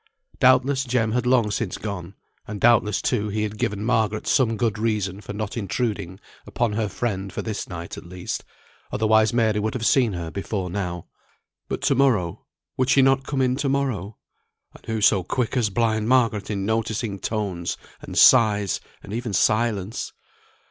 Doubtless Jem had long since gone; and doubtless, too, he had given Margaret some good reason for not intruding upon her friend for this night at least, otherwise Mary would have seen her before now. But to morrow, would she not come in to morrow? And who so quick as blind Margaret in noticing tones, and sighs, and even silence?